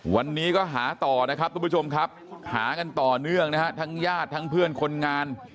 วันนี้ก็หาต่อนะครับทุกผู้ชมครับหากันต่อเนื่องนะฮะทั้งญาติทั้งเพื่อนคนงาน